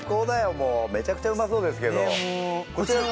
もうめちゃくちゃうまそうですけどこちらは？